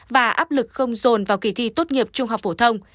và áp lực không dồn vào kỳ thi tốt nghiệp trung học phổ thông